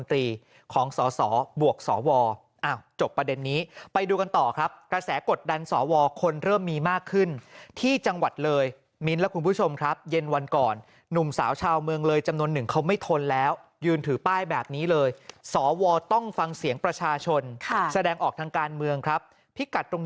ธอผอบธอผอบธอผอบธอผอบธอผอบธอผอบธอผอบธอผอบธอผอบธอผอบธอผอบธอผอบธอผอบธอผอบธอผอบธอผอบธอ